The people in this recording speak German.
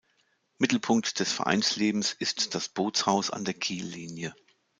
Mittelpunkt des Vereinslebens ist das Bootshaus an der Kiellinie.